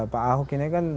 pak ahok ini kan